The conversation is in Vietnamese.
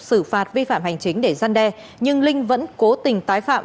xử phạt vi phạm hành chính để gian đe nhưng linh vẫn cố tình tái phạm